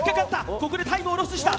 ここでタイムをロスした！